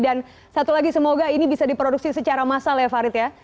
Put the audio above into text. dan satu lagi semoga ini bisa diproduksi secara massal ya faret ya